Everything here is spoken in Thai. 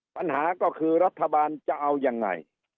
ปัญหาก็คือรัฐบาลจะเอายังไง